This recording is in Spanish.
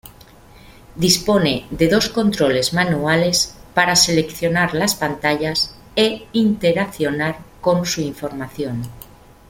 Dispone de dos controles manuales para seleccionar las pantallas e interaccionar con su información.